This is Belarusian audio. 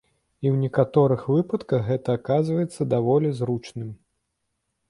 І ў некаторых выпадках гэта аказваецца даволі зручным.